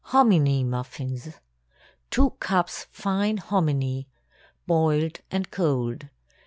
HOMINY MUFFINS. ✠ 2 cups fine hominy—boiled and cold.